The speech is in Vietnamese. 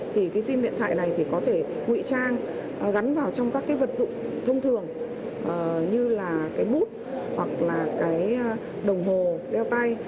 thì cái sim điện thoại này thì có thể ngụy trang gắn vào trong các cái vật dụng thông thường như là cái mút hoặc là cái đồng hồ đeo tay